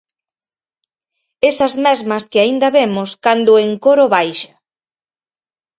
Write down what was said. Esas mesmas que aínda vemos cando o encoro baixa.